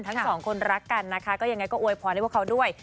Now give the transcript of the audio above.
ทั้งสองคนรักกันนะคะก็ยังไงก็อวยพรให้พวกเขาด้วย